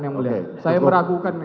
yang boleh saya meragukan